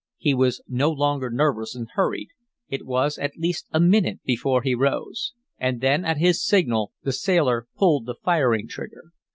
He was no longer nervous and hurried; it was at least a minute before he rose. And then at his signal the sailor pulled the firing trigger.